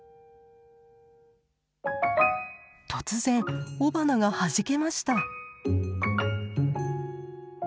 突然雄花がはじけました。